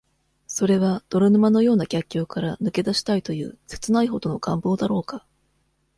それは、泥沼のような逆境からぬけだしたいという、切ないほどの願望だろうか。